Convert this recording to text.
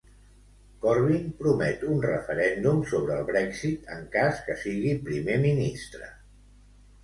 Corbyn promet un referèndum sobre el Brexit en cas que sigui primer ministre.